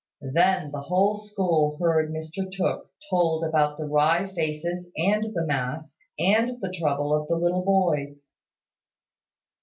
Then the whole school heard Mr Tooke told about the wry faces and the mask, and the trouble of the little boys.